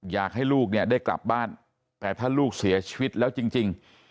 อยากให้ลูกเนี่ยได้กลับบ้านแต่ถ้าลูกเสียชีวิตแล้วจริง